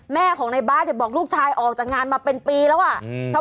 แม่ของในบ้านบอกลูกชายออกจากงานมาเป็นปีแล้ว